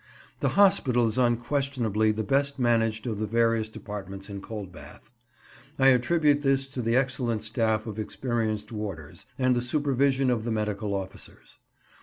The hospital is unquestionably the best managed of the various departments in Coldbath. I attribute this to the excellent staff of experienced warders, and the supervision of the medical officers.